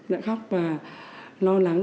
đã khóc và lo lắng